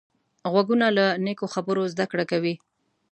غوږونه له نیکو خبرو زده کړه کوي